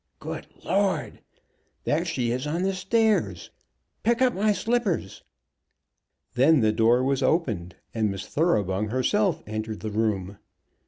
Good Lord! There she is on the stairs! Pick up my slippers." Then the door was opened, and Miss Thoroughbung herself entered the room.